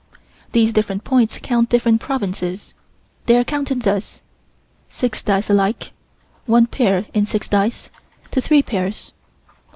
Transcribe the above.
These different points count different provinces. They are counted thus: Six dice alike. One pair in six dice, to three pairs.